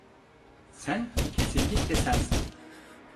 Sen kesinlikle sensin.